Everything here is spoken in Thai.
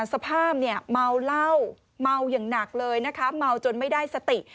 สภาพเนี่ยเมาเหล้าเมาอย่างหนักเลยนะคะเมาจนไม่ได้สติ